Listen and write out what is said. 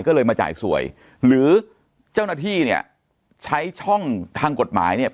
ก็เลยมาจ่ายสวยหรือเจ้าหน้าที่เนี่ยใช้ช่องทางกฎหมายเนี่ย